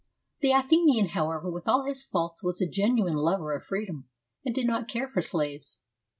The Athenian, however, with all his faults was a genuine lover of freedom, and did not care for slaves.